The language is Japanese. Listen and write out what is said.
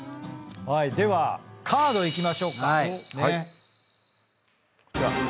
ではカードいきましょうか。